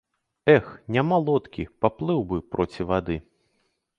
Эх, няма лодкі, паплыў бы проці вады.